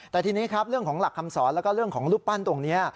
แต่ทีนี้ครับเรื่องของหลักคำสอนแล้วก็เรื่องของรูปปั้นตรงนี้